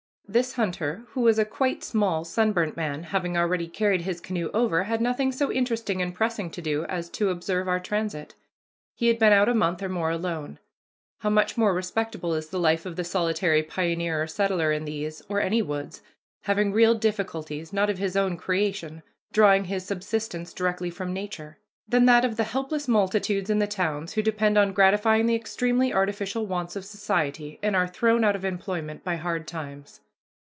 This hunter, who was a quite small, sunburnt man, having already carried his canoe over, had nothing so interesting and pressing to do as to observe our transit. He had been out a month or more alone. How much more respectable is the life of the solitary pioneer or settler in these, or any woods having real difficulties, not of his own creation, drawing his subsistence directly from nature than that of the helpless multitudes in the towns who depend on gratifying the extremely artificial wants of society and are thrown out of employment by hard times!